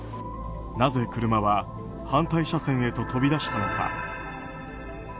なぜ車は反対車線へと飛び出したのか。